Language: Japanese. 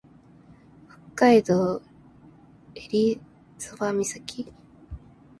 北海道襟裳岬